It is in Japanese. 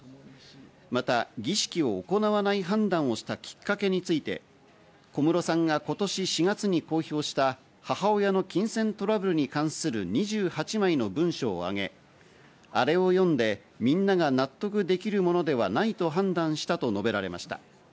また、儀式を行わない判断をしたきっかけについて、小室さんが今年４月に公表した母親の金銭トラブルに関する２８枚の文書を挙げ、あれを読んでみんなが納得できるものではないと判断したと述べられました。